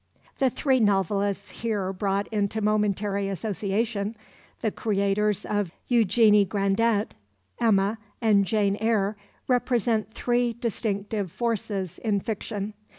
The three novelists here brought into momentary association, the creators of Eugénie Grandet, Emma, and Jane Eyre represent three distinctive forces in fiction.